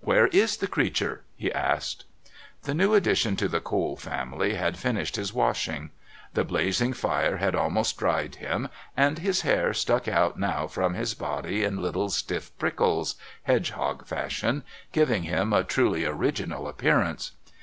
"Where is the creature?" he asked. The new addition to the Cole family had finished his washing; the blazing fire had almost dried him, and his hair stuck out now from his body in little stiff prickles, hedgehog fashion, giving him a truly original appearance.